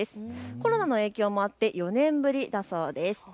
コロナの影響もあって４年ぶりだそうです。